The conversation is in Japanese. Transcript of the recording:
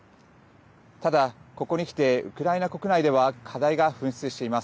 ただ、ここにきてウクライナ国内では課題が噴出しています。